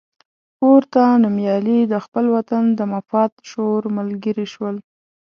پورته نومیالي د خپل وطن د مفاد شعور ملګري شول.